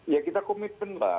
ya kita komitmen lah